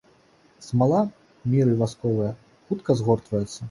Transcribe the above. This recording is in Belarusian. Смала міры васковая, хутка згортваецца.